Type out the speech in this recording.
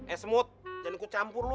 eh semut jangan kucampur lu